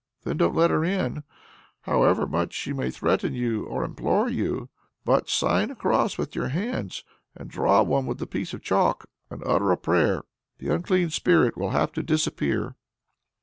Then don't let her in, however much she may threaten you or implore you, but sign a cross with your hands, and draw one with a piece of chalk, and utter a prayer. The Unclean Spirit will have to disappear."